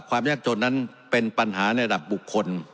ยากจนนั้นเป็นปัญหาในระดับบุคคล